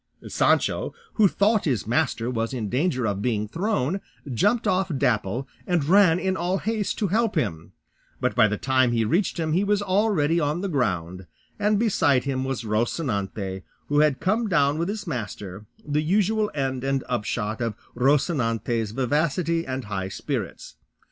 Sancho, who thought his master was in danger of being thrown, jumped off Dapple, and ran in all haste to help him; but by the time he reached him he was already on the ground, and beside him was Rocinante, who had come down with his master, the usual end and upshot of Rocinante's vivacity and high spirits.